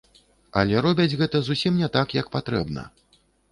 Але робяць гэта зусім не так, як патрэбна.